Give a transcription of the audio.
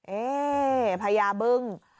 เอ๊พญาบึ้ง